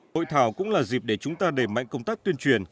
hội thảo cũng là dịp để chúng ta đẩy mạnh công tác tuyên truyền